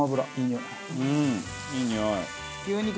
いいにおい。